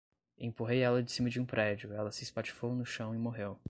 Empurrei ela de cima de um prédio, ela se espatifou no chão e morreu